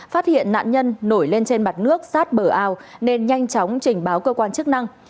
phát hiện nạn nhân nổi lên trên mặt nước sát bờ ao nên nhanh chóng trình báo cơ quan chức năng